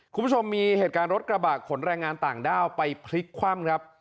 คุณผู้ชมมีเหตุการณ์รถกระบะขนแรงงานต่างด้าวไปพลิกคว่ำครับ